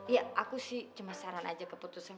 ya aku sih cuma saran aja keputusan